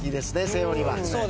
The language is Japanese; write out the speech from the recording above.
セオリーは。